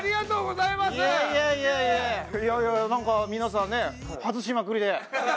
いやいやなんか皆さんね外しまくりで。